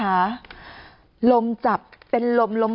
ไปเยี่ยมผู้แทนพระองค์